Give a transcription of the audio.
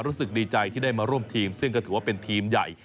รู้สึกดีใจที่ได้มาร่วมทีมซึ่งก็ถือว่าเป็นทีมใหญ่